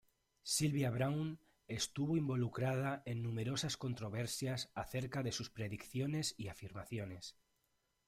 Sylvia Browne estuvo involucrada en numerosas controversias acerca de sus predicciones y afirmaciones.